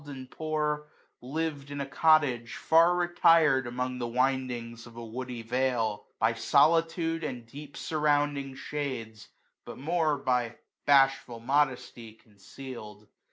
And poor, liv'd in ft cottage, far retired Among the windings of a woody vale, By solitude and deep surrounding shades^ But more byjbashful modesty, conceaFd.